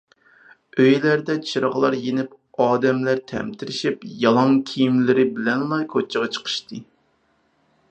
ئۆيلەردە چىراغلار يېنىپ ئادەملەر تەمتىرىشىپ يالاڭ كىيىملىرى بىلەنلا كوچىغا چىقىشتى.